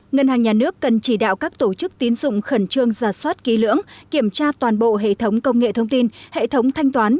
ngân hàng nhà nước cần chỉ đạo các tổ chức tín dụng khẩn trương giả soát ký lưỡng kiểm tra toàn bộ hệ thống công nghệ thông tin hệ thống thanh toán